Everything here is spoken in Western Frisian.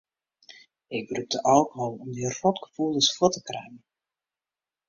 Ik brûkte alkohol om dy rotgefoelens fuort te kringen.